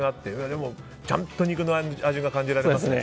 でもちゃんと肉の味が感じられますね。